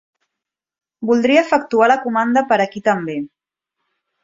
Voldria efectuar la comanda per aquí també.